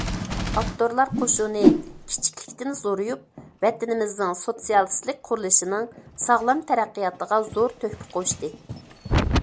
ئاپتورلار قوشۇنى كىچىكلىكتىن زورىيىپ ۋەتىنىمىزنىڭ سوتسىيالىستىك قۇرۇلۇشىنىڭ ساغلام تەرەققىياتىغا زور تۆھپە قوشتى.